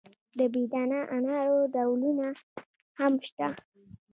د بې دانه انارو ډولونه هم شته.